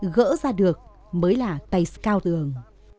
gỡ ra được mới là tay cao thường